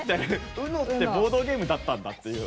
ＵＮＯってボードゲームだったんだっていう。